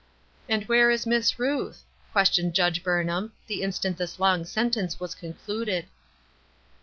"And where is Miss Ruth?" questioned Judge Burnham, the instant this ^ong sentence was concluded.